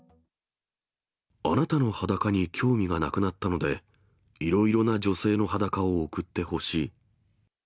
あなたの裸に興味がなくなったので、いろいろな女性の裸を送ってほしい。